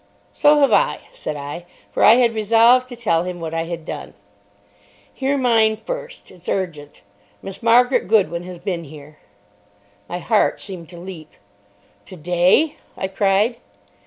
"So have I," said I. For I had resolved to tell him what I had done. "Hear mine first. It's urgent. Miss Margaret Goodwin has been here." My heart seemed to leap. "Today?" I cried.